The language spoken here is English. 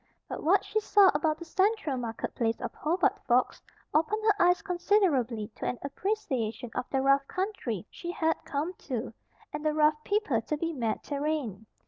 But what she saw about the central market place of Hobart Forks opened her eyes considerably to an appreciation of the rough country she had come to, and the rough people to be met therein.